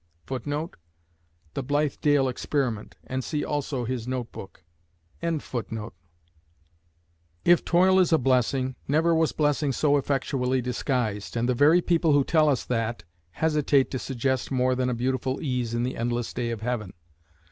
[Footnote: The Blythedale Experiment, and see also his Notebook.] If toil is a blessing, never was blessing so effectually disguised, and the very people who tell us that, hesitate to suggest more than a beautiful ease in the endless day of Heaven.